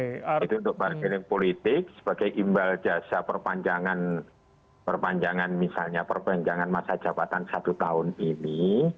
itu untuk bargaining politik sebagai imbal jasa perpanjangan misalnya perpanjangan masa jabatan satu tahun ini